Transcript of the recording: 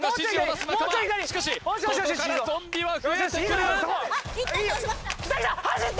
しかしここからゾンビは増えてくるあっ